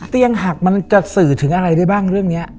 เตียงหักมันจะสื่อถึงอะไรได้บ้างเรื่องนี้